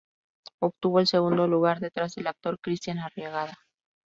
Obtuvo el segundo lugar, detrás del actor Cristián Arriagada.